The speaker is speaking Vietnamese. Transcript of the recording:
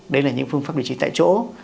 đấy là những phương pháp điều trị tại chỗ